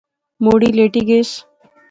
مڑی لیٹی گیس